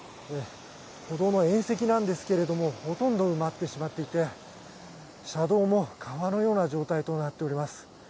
歩道の縁石なんですけれどもほとんど埋まってしまっていて車道も川のような状態となっております。